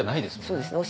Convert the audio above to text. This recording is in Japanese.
そうですね。